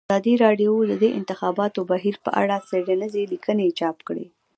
ازادي راډیو د د انتخاباتو بهیر په اړه څېړنیزې لیکنې چاپ کړي.